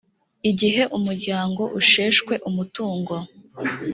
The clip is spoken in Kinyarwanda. igihe umuryango usheshwe umutungo